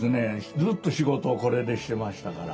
ずっと仕事をこれでしてましたから。